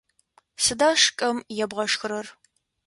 Сыда шкӏэм ебгъэшхырэр?